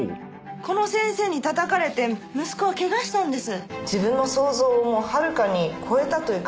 「この先生にたたかれて息子はケガしたんです」